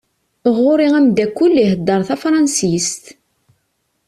Ɣur-i amdakel ihedder tafransist.